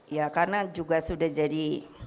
ya karena juga sudah jadi